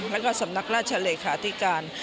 แล้วก็สำนักราชเลขาธิการ